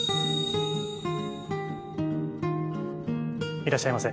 いらっしゃいませ。